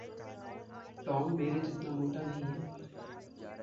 Tom मेरे जितना मोटा नहीं है।